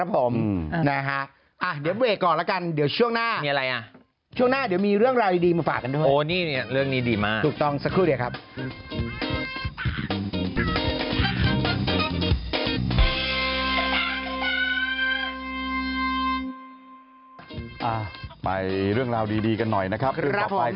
ไปเรื่องราวดีกันหน่อยนะครับ